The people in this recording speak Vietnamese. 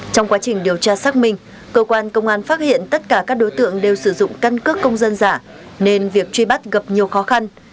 trong quá trình điều tra xác minh cơ quan công an phát hiện tất cả các đối tượng đều sử dụng căn cước công dân giả nên việc truy bắt gặp nhiều khó khăn